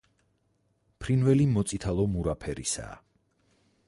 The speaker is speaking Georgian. ფრინველი მოწითალო-მურა ფერისაა.